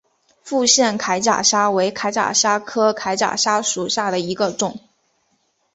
复线铠甲虾为铠甲虾科铠甲虾属下的一个种。